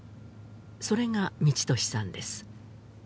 それが道登志さんです